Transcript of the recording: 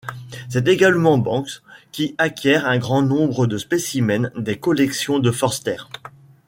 C'est également Banks qui acquiert un grand nombre de spécimens des collections de Forster.